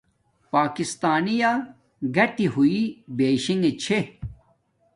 پاکستانی یا گاٹی ہوݵ بشنݣ چھے